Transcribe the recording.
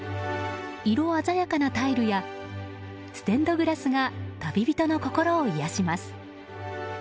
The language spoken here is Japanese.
色鮮やかなタイルやステンドグラスが旅人の心を癒やします。